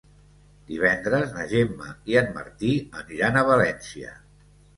Divendres na Gemma i en Martí aniran a València.